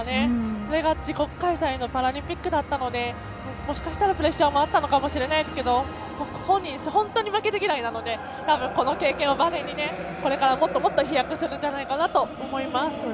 それが自国開催のパラリンピックだったのでもしかしたらプレッシャーもあったのかもしれないですけど本人、本当に負けず嫌いなのでこの経験をバネにこれからもっともっと飛躍するんじゃないかと思います。